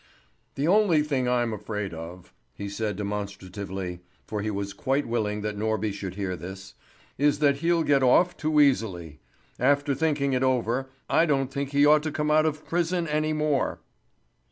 "The only thing I'm afraid of," he said demonstratively for he was quite willing that Norby should hear this "is that he'll get off too easily. After thinking it over, I don't think he ought to come out of prison any more."